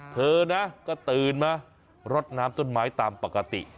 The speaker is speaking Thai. เธอนะก็ตื่นมารดน้ำต้นไม้ตามปกติ